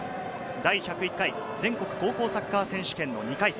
第１０１回全国高校サッカー選手権の２回戦。